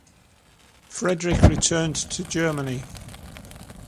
Frederick returned to Germany.